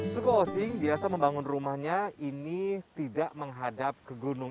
suku osing biasa membangun rumahnya ini tidak menghadap ke gunung